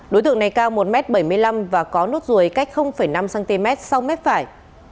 đối tượng này cao một bảy mươi năm m và có nốt ruồi cách năm cm sau mép phải